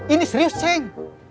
ini serius ceng